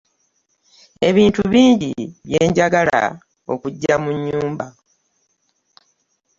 Ebintu bingi bye njagala okugya mu nyumba.